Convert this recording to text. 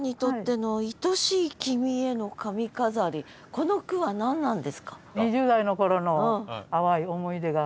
この句は何なんですか？